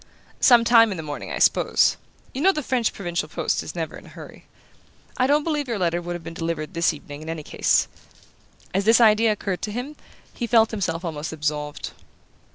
"Some time in the morning, I suppose. You know the French provincial post is never in a hurry. I don't believe your letter would have been delivered this evening in any case." As this idea occurred to him he felt himself almost absolved.